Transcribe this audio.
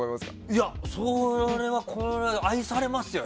いや、それは愛されますよ